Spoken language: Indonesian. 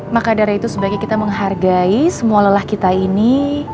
maka dari itu sebaiknya kita menghargai semua lelah kita ini